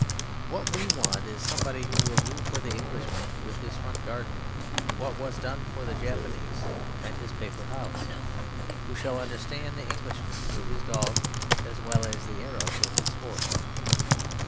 What we want is somebody who will do for the Englishman with his front garden what was done for the Jap and his paper house; who shall understand the Englishman with his dog as well as the Arab with his horse.